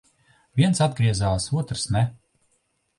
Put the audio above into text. Viens atgriezās, otrs ne.